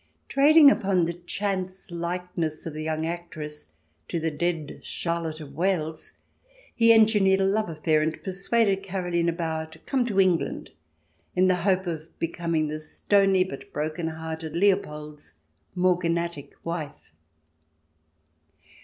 Trading upon the chance likeness of the young actress to the dead Charlotte of Wales, he engineered a love affair and persuaded Karoline Bauer to come to England in the hope of becoming the stony but broken hearted Leopold's morganatic wife.